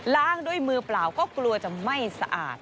งด้วยมือเปล่าก็กลัวจะไม่สะอาด